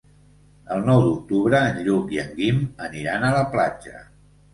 El nou d'octubre en Lluc i en Guim aniran a la platja.